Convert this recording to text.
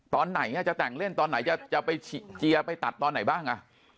ตอนไหนจะแต่งเล่นตอนไหนจะไปเจียร์ไปตัดตอนไหนบ้าง